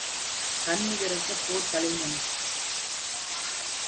தன் நிகரற்ற போர்க் கலைஞன்.